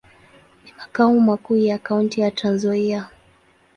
Ni makao makuu ya kaunti ya Trans-Nzoia.